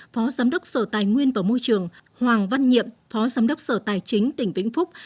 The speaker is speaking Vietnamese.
phó giám đốc sở tài nguyên và môi trường hoàng văn nhiệm phó giám đốc sở tài chính tỉnh vĩnh phúc